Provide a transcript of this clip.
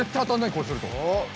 こうすると。